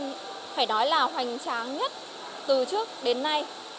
công viên phải nói là hoành tráng nhất từ trước đến nay